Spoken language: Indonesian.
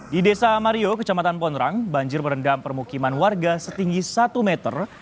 di desa mario kecamatan pondrang banjir merendam permukiman warga setinggi satu meter